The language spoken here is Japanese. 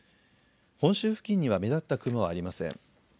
本州付近には目立った雲はありません。